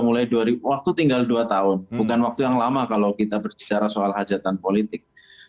mulai juga di waktu tinggal dua tahun bukan waktu yang lama kalau kita bercara soal hajat dan politik